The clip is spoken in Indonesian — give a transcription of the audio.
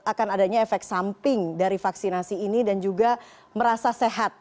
akan adanya efek samping dari vaksinasi ini dan juga merasa sehat